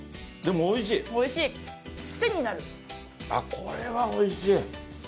これはおいしい。